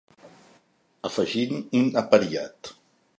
Afegint un apariat.